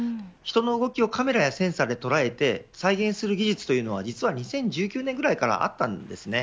人の動きをカメラやセンサーで捉えて再現する技術というのは２０１９年ごろからありました。